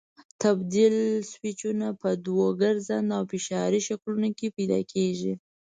تبدیل سویچونه په دوو ګرځنده او فشاري شکلونو کې پیدا کېږي.